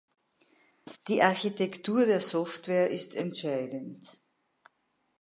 Die Architektur der Software ist entscheidend.